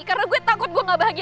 karena gue takut gue gak bahagia